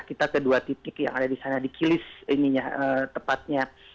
kita ke dua titik yang ada di sana di kilis ininya tepatnya